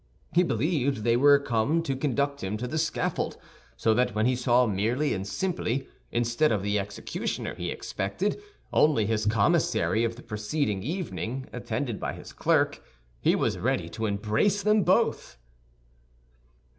He believed they were come to conduct him to the scaffold; so that when he saw merely and simply, instead of the executioner he expected, only his commissary of the preceding evening, attended by his clerk, he was ready to embrace them both.